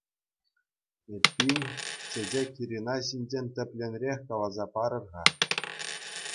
Эппин, Чечек-Ирина ҫинчен тӗплӗнрех каласа парӑр-ха?